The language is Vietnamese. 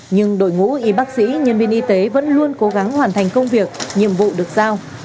nhưng đội ngũ y bác sĩ nhân viên y tế vẫn luôn cố gắng hoàn thành công việc nhiệm vụ được giao